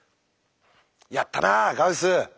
やったなあガウス！